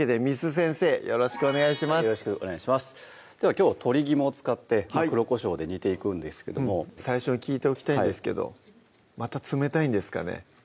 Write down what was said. きょうは鶏肝を使って黒こしょうで煮ていくんですけども最初に聞いておきたいんですけどまた冷たいんですかね？